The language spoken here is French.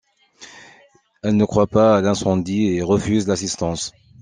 Elle ne croit pas à l'incendie et refuse l'assistance.